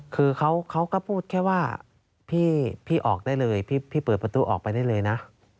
คือเขาก็พูดแค่ว่าพี่ออกได้เลยพี่เปิดประตูออกไปได้เลยนะ